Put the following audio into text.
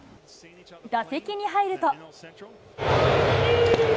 打席に入ると。